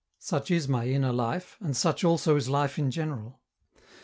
Such is my inner life, and such also is life in general.